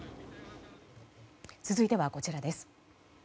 続いては、こちらです。